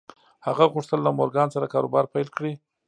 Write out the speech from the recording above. هغه غوښتل له مورګان سره کاروبار پیل کړي